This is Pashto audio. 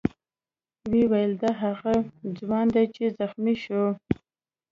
ویې ویل: دا دی هغه ځوان دی چې زخمي شوی.